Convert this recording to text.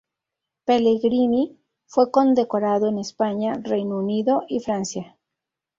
Pellegrini fue condecorado en España, Reino Unido y Francia.